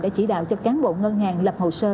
đã chỉ đạo cho cán bộ ngân hàng lập hồ sơ